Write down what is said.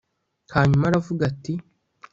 hanyuma aravuga ati